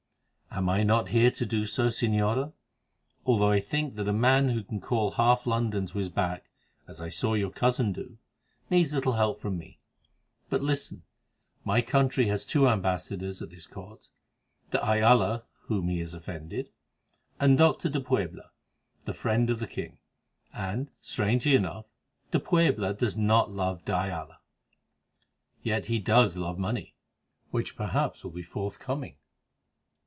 "Am I not here to do so, Señora? Although I think that a man who can call half London to his back, as I saw your cousin do, needs little help from me. But listen, my country has two ambassadors at this Court—de Ayala, whom he has offended, and Doctor de Puebla, the friend of the king; and, strangely enough, de Puebla does not love de Ayala. Yet he does love money, which perhaps will be forthcoming.